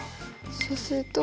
そうすると